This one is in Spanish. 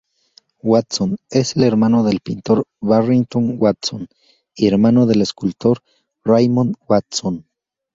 Watson es el hermano del pintor Barrington Watson, y hermano del escultor Raymond Watson.